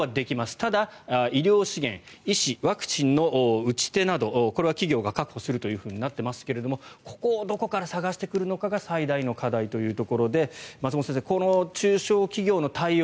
ただ、医療資源医師、ワクチンの打ち手などこれは企業が確保するとなってますけれどもここをどこから探してくるのかが最大の課題というところで松本先生、この中小企業の対応